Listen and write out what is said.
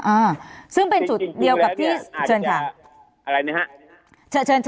อ๋อออ่อซึ่งเป็นจุดเดียวที่เชิญค่ะ